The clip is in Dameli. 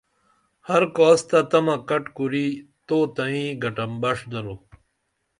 ہر کاس تہ تمہ کٹ کُری تو تئیں گٹن بݜ درو